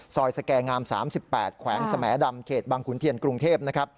ซอยสแก่งาม๓๘แขวงสแม่ดำเขตบังขุนเทียนกรุงเทพฯ